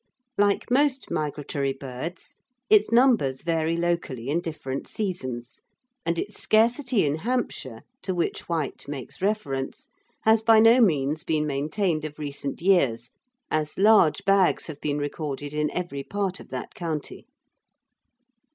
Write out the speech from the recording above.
Like most migratory birds, its numbers vary locally in different seasons, and its scarcity in Hampshire, to which White makes reference, has by no means been maintained of recent years, as large bags have been recorded in every part of that county.